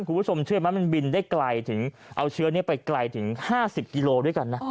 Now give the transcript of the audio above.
คุณผู้ชมเชื่อไหมมันบินได้ไกลถึงเอาเชื้อนี้ไปไกลถึง๕๐กิโลด้วยกันนะ